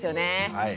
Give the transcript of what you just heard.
はい。